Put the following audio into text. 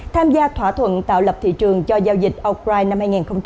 tham gia thỏa thuận tạo lập thị trường cho giao dịch o krein năm hai nghìn hai mươi hai